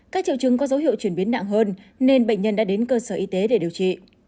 các triệu chứng có dấu hiệu chuyển biến nặng hơn nên bệnh nhân đã đến cơ sở y tế để điều trị